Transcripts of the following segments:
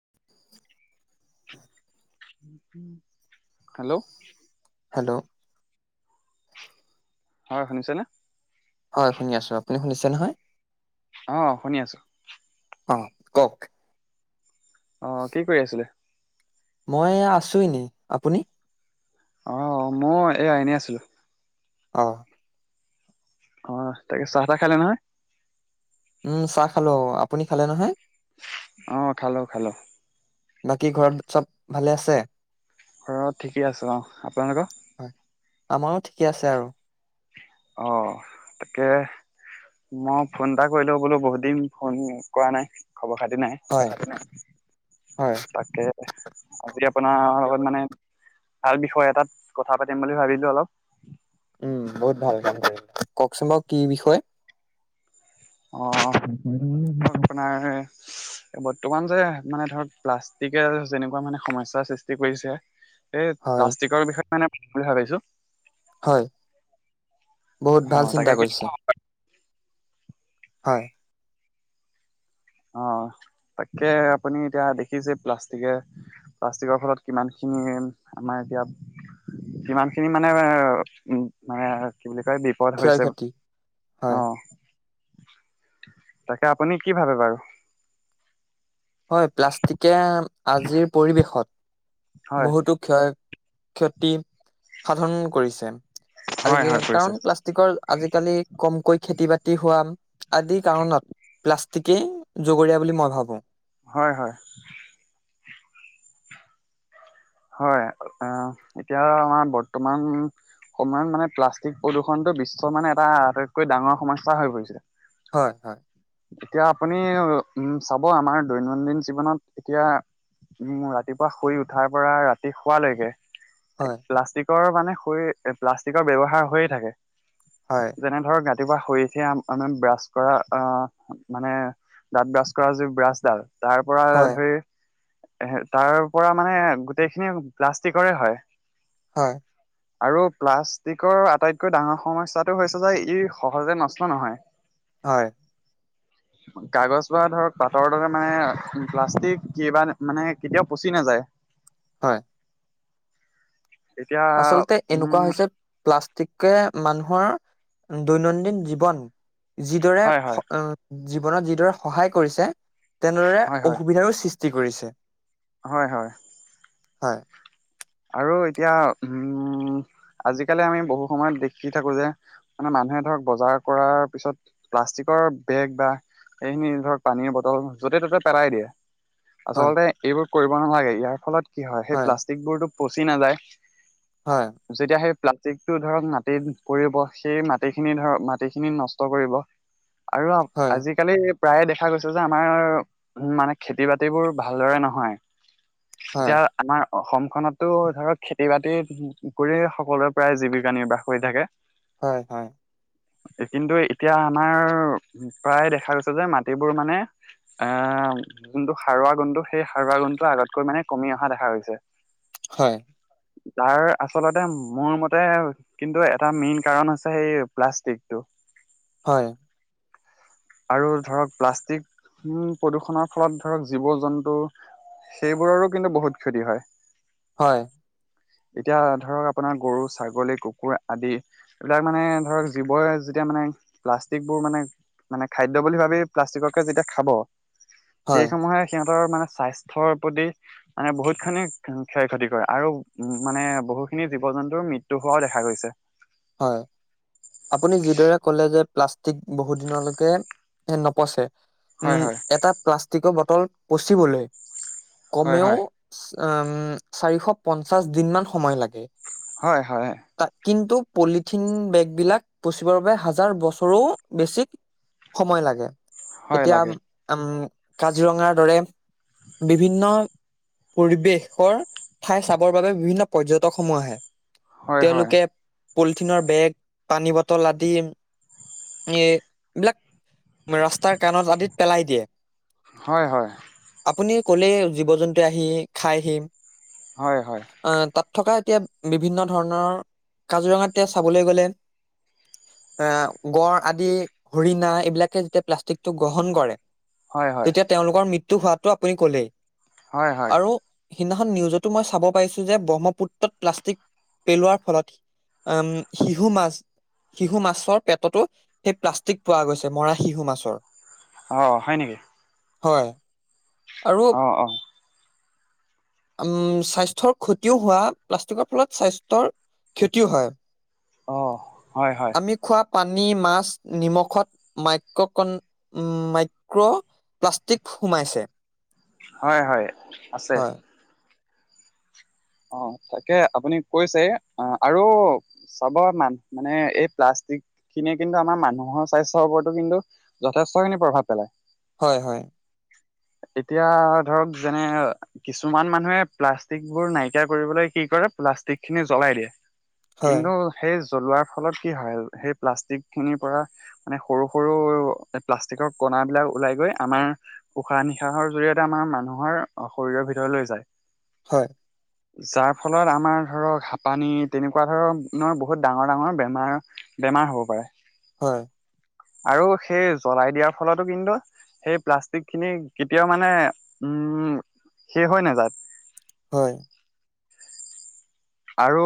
[inaudible] Hello hello হয় শুনিছেনে? হয় শুনি আছো আপুনি শুনিছে নহয়? অ', শুনি আছোঁ। অ' কওক অ কি কৰি আছিলে? মই আছো এনেই, আপুনি? অ মই এয়া এনেই আছিলো। অঁ। অ', তাকে চাহ তাহ খালে নহয়। উম চাহ খালো আপুনি খালে নহয়? অ খালো খালো। বাকী ঘৰত চব ভালে আছে? অ ঠিকে আছে অ, আপোনালোকৰ? হয় আমাৰো ঠিকে আছে আৰু। অ', তাকে। মই ফোন এটা কৰিলো বোলো বহুত দিন ফোন কৰা নাই। খবৰ খাতি নাই। হয় হয় তাকে আজি আপোনাৰ লগত মানে ভাল বিষয় এটাত কথা পাতিম বুলি ভাবিলো অলপ। উম বহুত ভাল কাম কৰি কওকচোন বাৰু কি বিষয়। অ' আপোনাৰ বৰ্তমান যে মানে ধৰক প্লাষ্টিকে যেনেকুৱা মানে সমস্যাৰ সৃষ্টি কৰিছে। এই হয় প্লাষ্টিকৰ বিষয়ে মানে বুলি ভাবিছো। হয় বহুত অ ভাল তাকে চিন্তা কি কৰিছে। হয়। অ তাকে আপুনি এতিয়া দেখিছে প্লাষ্টিকে প্লাষ্টিকৰ ফলত কিমান আমাৰ এতিয়া কিমান খিনি মানে উম মানে কি বুলি তাই বিপদ ক্ষয় হৈছে ক্ষতি হয় অ'। তাকে আপুনি কি ভাবে বাৰু? হয়, প্লাষ্টিকে আজিৰ পৰিৱেশত হয় বহুতো ক্ষয়। ক্ষতি সাধন কৰিছে। হয় আজি হয় কৰিছে কাৰণ প্লাষ্টিকৰ আজিকালি কমকৈ খেতি বাত তি হোৱা আদি কাৰণত প্লাষ্টিকে জগৰীয়া বুলি মই ভাবো। হয়, হয়। হয়, অহ, এতিয়া আমাৰ বৰ্তমান সমান মানে প্লাষ্টিক প্ৰদূষণটো বিশ্বৰ মানে এটা আটাইতকৈ ডাঙৰ সমস্যা হৈ পৰিছে। হয়, হয়। এতিয়া আপুনি উম, চাব আমাৰ দৈনন্দিন জীৱনত এতিয়া উম, ৰাতিপুৱা শুই উঠাৰ পৰা ৰাতি শুৱালৈকে হয় প্লাষ্টিক মানে শৈ প্লাষ্টিকৰ ব্যৱহাৰ হৈয়ে থাকে হয় যেনে ধৰক ৰাতিপুৱা শুই উঠিয়ে আম ব্ৰাছ কৰা মানে দাঁত ব্ৰাছ কৰা যি ব্ৰাছডাল তাৰ পৰা হয় ধৰি এ তাৰ পৰা মানে গোটেইখিনি প্লাষ্টিকৰে হয়। হয়। আৰু প্লাষ্টিকৰ আটাইতকৈ ডাঙৰ সমস্যাটো হৈছে যে ই সহজে নষ্ট নহয়। হয়। [inaudible] কাগজ বা ধৰক পাতৰ দৰে মানে প্লাষ্টিক কিবা মানে কেতিয়াও পচি নাযায়। হয়। এতিয়া আচলতে এনেকুৱা উম হৈছে প্লাষ্টিকে মানুহৰ দৈনন্দিন জীৱন যিদৰে হয় হয় হ অঁ জীৱনত যিদৰে সহায় কৰিছে তেনেদৰে হয় হয় অসুবিধাৰো সৃষ্টি কৰিছে। হয় হয়। হয়। আৰু এতিয়া উম আজিকালি আমি বহু সময়ত দেখি থাকো যে, মানে মা মানুহে ধৰক বজাৰ কৰাৰ পিছত প্লাষ্টিকৰ বেগ বা সেইখিনি ধৰক পানীৰ বটল যতে ত'তে পেলায় দিয়ে। হয় আচলতে এইবোৰ কৰিব নালাগে, ইয়াৰ ফলত কি হয় সেই প্লাষ্টিক বোৰতো পচি নাযায়। হয় যেতিয়া সেই প্লা ষ্টিকটো ধৰক মাটিত পৰিব, সেই মাটিখিনি ধৰক মাটিখিনি নষ্ট কৰিব। আৰু হয় আজিকালি প্ৰায়ে দেখা গৈছে যে আমাৰ মানে খেতি বাতিবোৰ ভালদৰে নহয়। হয় এতিয়া আমাৰ অসমখনত টো ধৰক খেতি বাতি কৰি সকলোৱোৰে প্ৰায় জীৱিকা নিৰ্বাহ কৰি থাকে। হয় হয়। কিন্তু এতিয়া আমাৰ প্ৰায় দেখা গৈছে যে মাটিবোৰ মানে আহ যোনটো সাৰুৱা গুণটো সেই সাৰুৱা গুণটো আগতকৈ মানে কমি অহা দেখা গৈছে। হয়। তাৰ আচলতে মোৰ মতে কিন্তু এটা মেইন কাৰণ হৈছে সেই প্লাষ্টিকটো। হয়। আৰু ধৰক প্লাষ্টিক প্ৰদূষণৰ ফলত ধৰক জীৱ জন্তু সেইবোৰৰো কিন্তু বহুত ক্ষতি হয়। হয়। এতিয়া ধৰক আপোনাৰ গৰু, ছাগলী, কুকুৰ আদি, এইবিলাক মানে ধৰ জীৱই এতিয়া মানে, প্লাষ্টিকবোৰ মানে মানে খাদ্য বুলি ভাবি প্লাষ্টিককে যেতিয়া খাব, হয় সেই সময়ে সিহ [unintelligible] মানে স্বাস্থ্যৰ প্ৰতি, মানে বহুতখিনি ক্ষয় ক্ষতি কৰে আৰু, উম, মানে বহুত খিনি জীৱ-জন্তুৰ মৃত্যু হোৱাও দেখা গৈছে। হয়, আপুনি যিদৰে কলে যে প্লাষ্টিক বহুত দিনলৈকে, এ নপচে। হয় উম, হয় এটা প্লাষ্টিকৰ বটল পচিবলৈ, হয় কমেও হয় আম চাৰিশ পঞ্চাছ দিনমান সময় লাগে। হয়, হয়, তাত কিন্তু পলিথিন বেগবিলাক, পচিবৰ বাবে হাজাৰ বছৰো, বেছি, সময় লাগে। হয় এতিয়া উম, লাগে আম কাজিৰঙাৰ দৰে বিভিন্ন পৰিৱেশৰ, ঠাই চাবৰ বাবে বিভিন্ন পৰ্যটক সমূহ আহে। হয় হয় তেওঁলোকে পলিথিনৰ বেগ, পানী বটল আদি, এ এইবিলাক ৰাস্তাৰ কাণত আদিত পেলাই দিয়ে, হয় হয় আপুনি ক'লে জীৱ-জন্তু আহি খাইহি। হয়, হয়, আহ তাত থকা এতিয়া বিভিন্ন ধৰণৰ, কাজিৰঙাতে এতিয়া চাবলে গ'লে আহ গড় আদি হৰিণা এইবিলাকে যেতিয়া প্লাষ্টিকটো গ্ৰহণ কৰে। হয় হয় তেতিয়া তেওঁলোকৰ মৃত্যু হোৱাটো আপুনি ক'লেই। হয়, হয়, আৰু সিদিনাখন নিউজতো মই চাব পাৰিছোঁ যে, ব্ৰহ্মপুত্ৰত প্লাষ্টিক পেলোৱাৰ ফলত উম, শিহু মাছ। শিহু মাছৰ পেটতো সেই প্লাষ্টিক পোৱা গৈছে, মৰা শিহু মাছৰ। অ' হয় নেকি? হয়। আৰু অ', অ'। উম, স্বাস্থ্যৰ ক্ষতিও হোৱা প্লাষ্টিকৰ ফলত স্বাস্থ্যৰ ক্ষতিও হয়। অ হয় হয়। আমি খোৱা পানী মাছ নিমখত মাইক্ৰকন মাইক্ৰ প্লাষ্টিক সোমাইছে। হয় হয় আছে। হয়, অ তাকে আপুনি কৈছে অ আৰু চাব মান মানে এই প্লাষ্ট যিক খিনিয়ে কিন্তু আমাৰ মানুহৰ স্বাস্থ্যৰ ওপৰতো কিন্তু যথেষ্টখিনি প্ৰভাৱ পেলায়। হয়, হয়। এতিয়া ধৰক যেনে কিছুমান মানুহে প্লাষ্টিকবোৰ নাই কীয়াৰ কৰিবলৈ কি কৰে প্লাষ্টিকখিনি জ্বলাই দিয়ে। হয়, কিন্তু সেই জ্বলোৱাৰ ফলত কি হয়, হেই প্লাষ্টিক খিনিৰ পৰা মানে সৰু সৰু প্লাষ্টিকৰ ক মাবিলাক ওলাই গৈ আমাৰ উশাহ নিশাহৰ জৰিয়তে আমাৰ মানুহৰ শৰীৰৰ ভিতৰলৈ যায়। হয়। যাৰ ফলত আমাৰ ধৰক হা পানী তেনেকুৱা ধৰণৰ বহুত ডাঙৰ ডাঙৰ বেমাৰ বে মাৰ হ'ব পাৰে। হয়। আৰু সেই জ্বলাই দিয়াৰ ফলতো কিন্তু সেই প্লাষ্টিকখিনি কেতিয়াও মানে উম শেষ হয় নাযাত হয়। আৰু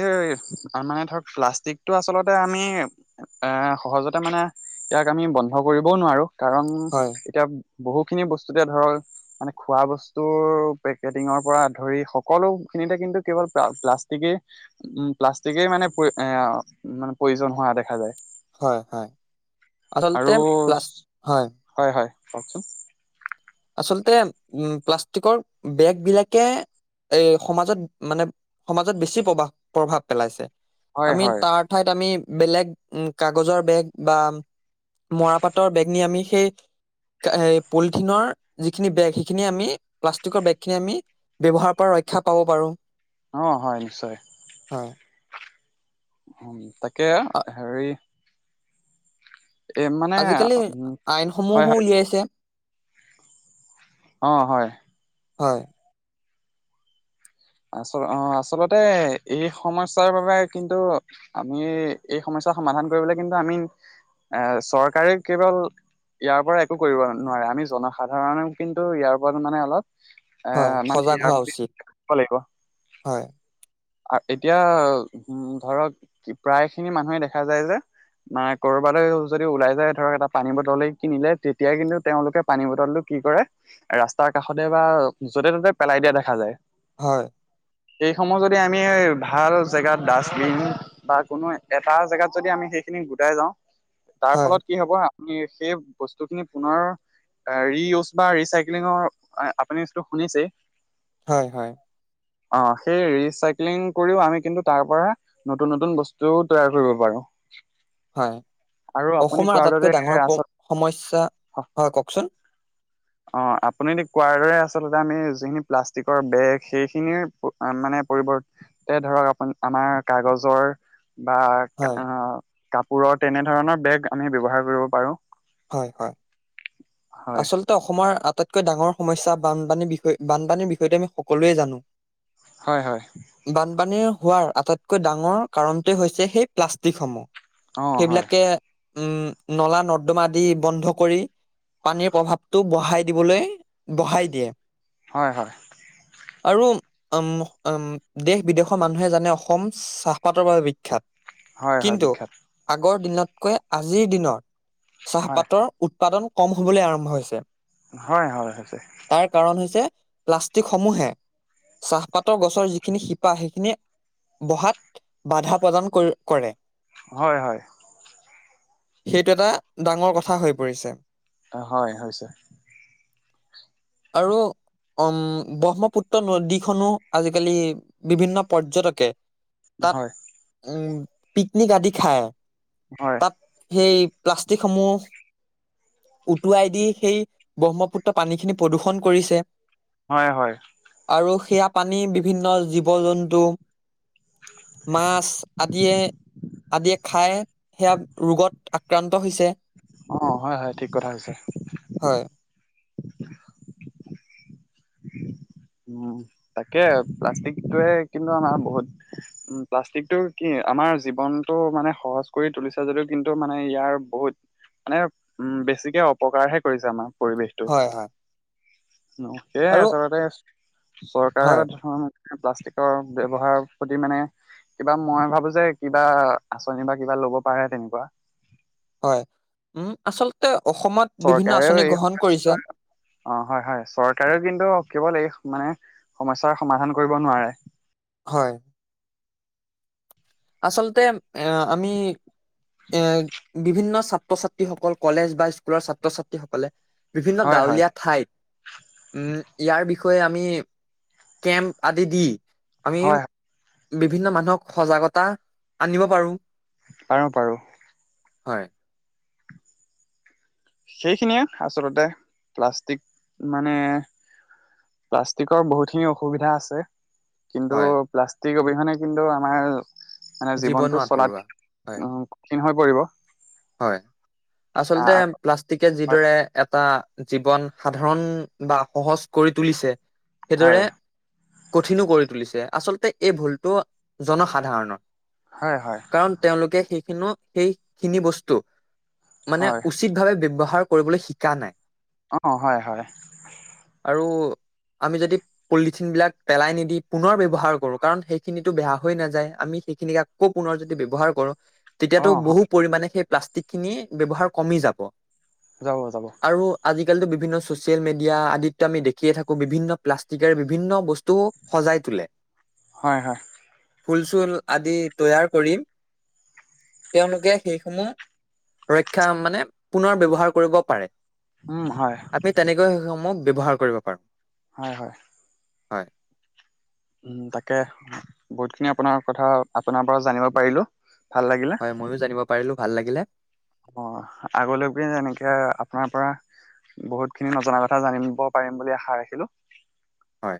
এই আমাৰ ধৰক, প্লাষ্টিকটো আচলতে আমি, এ সহজতে মানে ইয়াক আমি বন্ধ কৰিবও নোৱাৰো কাৰণ হয়, এতিয়া বহুখিনি বস্তুতে ধৰ, মানে খোৱা বস্তুৰ পেকেটিঙৰ পৰা ধৰি সকলো খিনিতে কিন্তু কেৱল প্লাষ্টিকেই উম প্লাষ্টিকেই মানে এ মানে প্ৰয়োজন হোৱা দেখা যায়। হয় হয় আচলতে পা হয়। কওঁকচোন। আচলতে উম প্লাষ্টিকৰ বেগ বিলাকে এই সমাজত মানে সমাজত বেছি প্ৰভাহ প্ৰভাৱ পেলাইছে। হয় আমি হয় তাৰ ঠাইত আমি বেলেগ উম কাগজৰ বেগ বা মৰাপাতৰ বেগ নি আমি সেই এ পলিথিনৰ যিখিনি বেগ সেইখিনি আমি প্লাষ্টিকৰ বেগ খিনি আমি ব্যৱহাৰৰ পৰা ৰক্ষা পাব পাৰো। অ হয় নিশ্চয়। হয়। হম, তাকে হেৰি এ মানে আজিকালি উম হয় আইনসমূহো হয় উলিয়াইছে। অ' হয়। হয়। আচ অ' আচলতে এই সমস্যাৰ বাবে কিন্তু আমি এই সমস মস্যা সমাধান কৰিবলে কিন্তু আমি এ চৰকাৰে কেৱল ইয়াৰ পৰা একো কৰিব নোৱাৰে। আমি জনসাধাৰণেও কিন্তু ইয়াৰ কাৰণে মানে অলপ হয় আহ, মানে সজাগ হোৱা উচিত। [unintelligible] হয়, এতিয়া উম, ধৰক প্ৰায় খিনি মানুহে দেখা যায় যে। মা কৰ'বালৈ যদি ওলাই যায়, ধৰক এটা পানী বটলে কিনিলে, তেতিয়া কিন্তু তেওঁলোকে পানী বটলটো কি কৰে, ৰাস্তাৰ কাষতে বা যতে ত'তে পেলাই দিয়া দেখা যায়। হয়। সেইসমূহ যদ যদি আমি ভাল জেগাত ডাষ্টবিন বা কোনো এটা জেগাত যদি আমি সেইখিনি গোটাই যাওঁ। তাৰ হয়, ফলত কি হব, আমি সেই বস্তু খিনি পুনৰ ৰিউজ বা ৰিচাইক্লিঙৰ আপুনি যিটো শুনিছে। হয় হয়। অ' সেই ৰি চাইক্লিং কৰিও আমি কিন্তু, তাৰ পৰা নতুন নতুন বস্তুও তৈয়াৰ কৰিব পাৰোঁ। হয় অসমৰ আটাইতকৈ ডাঙৰ দৰে আচল সমস্যা। হয়, কওকচোন। অ' আপুনি কোৱাৰ দৰে আচলতে আমি যিখিনি প্লাষ্টিকৰ বেগ সেইখিনি মানে। পৰিৱৰ্তে ধৰক আপোন আমাৰ কাগজৰ বা হয়, কাপোৰৰ তেনে ধৰণৰ বেগ আমি ব্যৱহাৰ কৰিব পাৰো। হয় হয়। হয় আচলতে অসমৰ আটাইতকৈ ডাঙৰ সমস্যা বানপানীৰ বিষয়, বানপানীৰ বিষয়টো আমি সকলোৱে জানো। হয় হয় বানপানীৰ হোৱাৰ আটাইতকৈ ডাঙৰ কাৰণটোৱেই হৈছে সেই প্লাষ্টিকসমূহ, অ হয় সেইবিলাকে উম, নলা-নৰ্দমা আদি বন্ধ কৰি পানীৰ প্ৰভাৱটো বঢ়াই দিবলৈ, বঢ়াই দিয়ে। হয়, হয়। আৰু উম, উম দেশ-বিদেশৰ মানুহে জানে অসম চাহপাতৰ বাবে বিখ্যাত। হয় হয় কিন্তু বিখ্যাত আগৰ দিনতকৈ আজিৰ দিনত হয় চাহপাতৰ উৎপাদন কম হবলৈ আৰম্ভ হৈছে। হয়-হয়, সঁচাকৈ। প্লাষ্টিক সমূহে চাহপাতৰ গছৰ যিখিনি শিপা সেইখিনি বহাত বাধা প্ৰদান কৰে। হয়-হয়। সেইটো এটা ডাঙৰ কথা হৈ পৰিছে। অ' হয় হৈছে। আৰু উম, ব্ৰহ্মপুত্ৰ নদীখনো আজিকালি বিভিন্ন পৰ্যটকে হয় তাত উম, পিকনিক আদি খায় হয় তাত সেই প্লাষ্টিকসমূহ। উটুৱাই দি সেই ব্ৰহ্মপুত্ৰ পানীখিনি প্ৰদূষণ কৰিছে। হয়-হয়। আৰু সেয়া পানী বিভিন্ন জীৱ-জন্তু। মাছ আদিয়ে আদিয়ে খাই সেয়া ৰোগত আক্ৰান্ত হৈছে। অ' হয়-হয় ঠিক কথা হৈছে। হয় উ, তাকে প্লাষ্টিকটোৱে কিন্তু আমাৰ বহুত উ প্লাষ্টিকটো কি। আমাৰ জীৱনতটো মানে সহজ কৰি তুলিছে যদিও কিন্তু মানে ইয়াৰ বহুত মানে উম, বেছিকে অপকাৰহে কৰিছে আমাৰ। হয়-হয়। এ আছলতে হয় চৰকাৰে প্লাষ্টিকৰ ব্যৱহাৰৰ প্ৰতি মানে কিবা মই ভাবো যে কিবা আচনি বা কিবা ল'ব পাৰে তেনেকুৱা। হয় উম, আচলতে অসমত বিভিন্ন চৰকাৰেও আঁচনি এই গ্ৰহণ কৰিছে সমস্যা অ, হয়-হয় চৰকাৰেও কিন্তু কেৱল এই মানে সমস্যাৰ সমাধান কৰিব নোৱাৰে। হয়। আচলতে এ আমি এ বিভিন্ন ছাত ছাত্ৰ- ছাত্ৰীসকল কলেজ বা স্কুলৰ ছাত্ৰ- ছাত্ৰীসকলে বিভিন্ন হয় হয় গাঁৱলীয়া ঠাইত উম, ইয়াৰ বিষয়ে কৈ আমি কেম্প আদি দি আমি হয় হয় বিভিন্ন মানুহক সজাগতা আনিব পাৰো। পাৰো-পাৰো। হয়। সেইখিনিয়ে আচলতে প্লাষ্টিক মানে। প্লাষ্টিকৰ বহুতখিনি অসুবিধা আছে। কিন্তু হয় প্লাষ্টিক অবিহনে কিন্তু আমাৰ মানে জীৱনো জীৱনটো আধৰুৱা চলাত হয় উম, কঠিন হৈ পৰিব। হয় আচলতে প্লাষ্টিকে যিদ এটা এটা জীৱন সাধাৰণ বা সহজ কৰি তুলিছে। সেইদৰে হয় কঠিনো কৰি তুলিছে আচলতে এই ভুলটো জনসাধাৰণৰ। হয় হয় কাৰণ তেওঁলোকে সেইখিনো সেইখিনি বস্তু মানে হয় উচিত ভাৱে ব্যৱহাৰ কৰিবলৈ শিকা নাই। অ, হয় - হয়। আৰু আমি যদি পলিথিন বিলাক পেলাই নিদি পুনৰ ব্যৱহাৰ কৰো কাৰণ সেইখিনিতো বেয়া হৈ নাযায়। আমি সেইখিনিক আকৌ পুনৰ যদি ব্যৱহাৰ কৰো অ তেতিয়াতো বহু পৰিমণে সেই প্লাষ্টিক খিনি ব্যৱহাৰ কমি যাব। যাব, যাব। আজিকালি বিভিন্ন চচিয়েল মিডিয়া আদিততো আমি দেখিয়ে থাকো বিভিন্ন প্লাষ্টিকৰ বিভিন্ন বস্তু সজাই শুলে। হয়, হয়। ফুল চুল আদি তৈয়াৰ কৰি তেওঁলোকে সেইসমুহ ৰক্ষা মানে পুনৰ ব্যৱহাৰ কৰিব পাৰে। উম হয় আমি তেনেকৈ সেইসমূহ ব্যৱহাৰ কৰিব পাৰো। হয়, হয়। হয়। উ তাকে বহুত খিনি আপোনাৰ কথা আপোনাৰ পৰা জানিব পাৰিলো ভাল লাগিলে হয় ময়ো জানিব পাৰিলো ভাল লাগিলে। অ' আগলৈকো যে এনেকে আপোনাৰ পৰা বহুত খিনি নজনা কথা জানিব পাৰিম বুলি আশা ৰাখিলোঁ হয়।